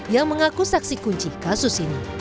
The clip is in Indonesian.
yang mengaku saksi kunci kasus ini